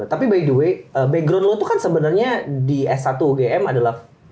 tapi by the way background low itu kan sebenarnya di s satu ugm adalah